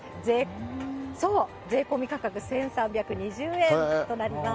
税込み価格１３２０円となります。